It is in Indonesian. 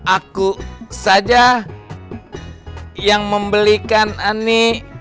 aku saja yang membelikan ani